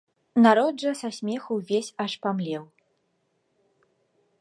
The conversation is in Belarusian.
Народ жа са смеху увесь аж памлеў.